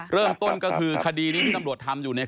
เริ่มต้นก็คือคดีนี้ที่ตำรวจทำอยู่เนี่ย